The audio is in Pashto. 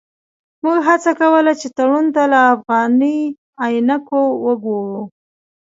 موږ هڅه کوله چې تړون ته له افغاني عینکو وګورو.